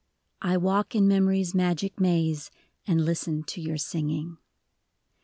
1 walk in memory's magic maze And listen to your singing !